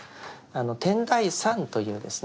天台山というですね